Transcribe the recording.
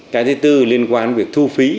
cái thứ tư liên quan việc thu phí